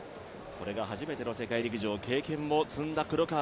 これが初めての世界陸上、経験も積んだ黒川